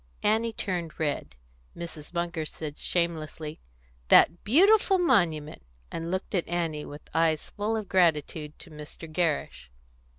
Annie turned red; Mrs. Munger said shamelessly, "That beautiful monument!" and looked at Annie with eyes full of gratitude to Mr. Gerrish.